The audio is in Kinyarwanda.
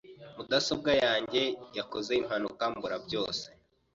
Mudasobwa yanjye yakoze impanuka mbura byose .